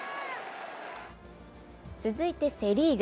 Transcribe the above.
続いてセ・リーグ。